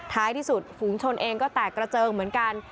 ท้ายที่สุดฝูงชนเองก็แตกกระเจิงเหมือนกัน